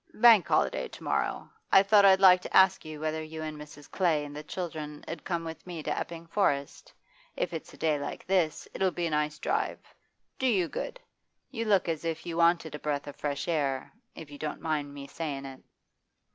'Bank holiday to morrow. I thought I'd like to ask you whether you and Mrs. Clay and the children 'ud come with me to Epping Forest. If it's a day like this, it'll be a nice drive do you good. You look as if you wanted a breath of fresh air, if you don't mind me sayin' it.